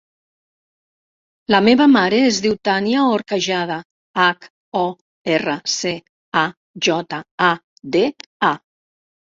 La meva mare es diu Tània Horcajada: hac, o, erra, ce, a, jota, a, de, a.